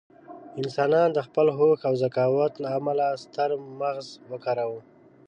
انسانان د خپل هوښ او ذکاوت له امله ستر مغز وکاروه.